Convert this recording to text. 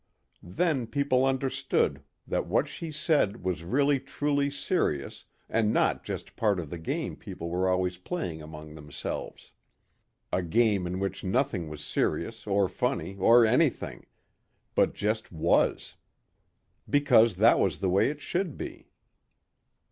Then people understood that what she said was really truly serious and not just part of the game people were always playing among themselves. A game in which nothing was serious or funny or anything but just was. Because that was the way it should be.